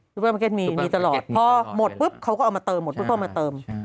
เปอร์มาร์เก็ตมีมีตลอดพอหมดปุ๊บเขาก็เอามาเติมหมดปุ๊บเข้ามาเติม